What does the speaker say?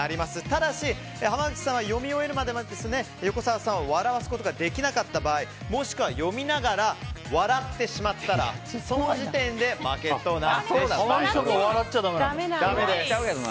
ただし濱口さんは読み終えるまで横澤さんを笑わせることができなかった場合もしくは読みながら笑ってしまったらその時点で負けとなってしまいます。